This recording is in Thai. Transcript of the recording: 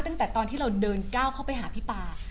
ตั้งแต่ตอนที่เราเดินก้าวเข้าไปหาพี่ป่า